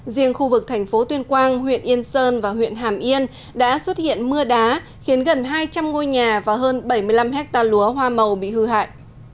riêng khu vực thành phố tuyên quang huyện yên sơn và huyện hàm yên đã xuất hiện mưa đá khiến gần hai trăm linh ngôi nhà và hơn bảy mươi năm hectare lúa hoa màu bị hư hại